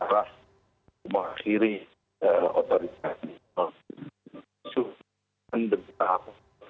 usahalah memahiri otoritas